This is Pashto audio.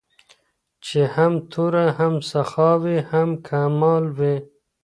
چي هم توره هم سخا وي هم کمال وي